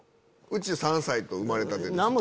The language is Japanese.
うち３歳と生まれたてです。